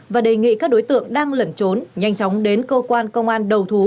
và đề nghị các đối tượng đang lẩn trốn nhanh chóng đến cơ quan công an đầu thú